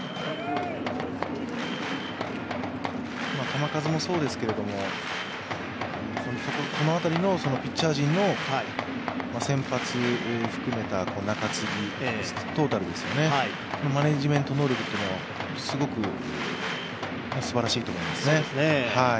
球数もそうですけどこのあたりのピッチャー陣の先発含めた中継ぎ、トータルのマネジメント能力っていうのはすごくすばらしいと思いますね。